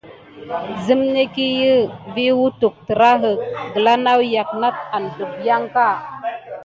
Zunekiy vi wutu terake léklole nata dimpiaka.